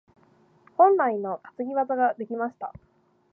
本来の担ぎ技が出ました。